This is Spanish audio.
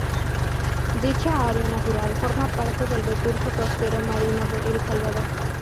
Dicha área natural forma parte del recurso costero marino de El Salvador.